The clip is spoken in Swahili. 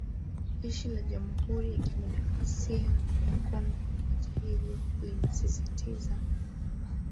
Jeshi la Jamuhuri ya Kidemokrasia ya Kongo hata hivyo linasisitiza